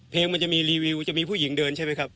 มันจะมีรีวิวจะมีผู้หญิงเดินใช่ไหมครับ